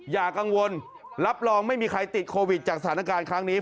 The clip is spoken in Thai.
อย่ากังวลรับรองไม่มีใครติดโควิดจากสถานการณ์ครั้งนี้